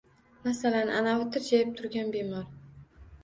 Masalan, anavi tirjayib turgan bemor...